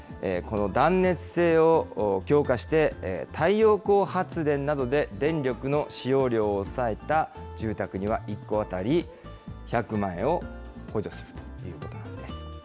この断熱性を強化して太陽光発電などで電力の使用量を抑えた住宅には１戸当たり１００万円を補助するということなんです。